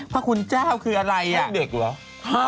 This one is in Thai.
พระคุณเจ้าคืออะไรย่างเด็กเหรอ